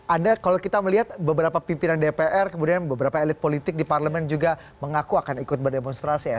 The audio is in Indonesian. anda kalau kita melihat beberapa pimpinan dpr kemudian beberapa elit politik di parlemen juga mengaku akan ikut berdemonstrasi ya